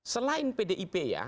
selain pdip ya